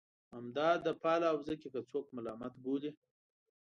همدا ادبپاله حوزه که څوک ملامت بولي.